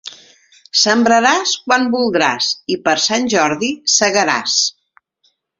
Sembraràs quan voldràs i per Sant Jordi segaràs.